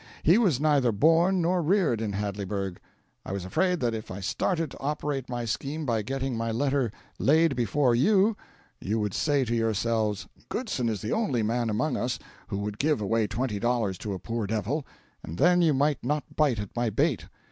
He was neither born nor reared in Hadleyburg. I was afraid that if I started to operate my scheme by getting my letter laid before you, you would say to yourselves, 'Goodson is the only man among us who would give away twenty dollars to a poor devil' and then you might not bite at my bait.